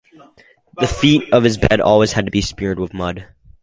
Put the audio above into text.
The feet of his bed always had to be smeared with mud.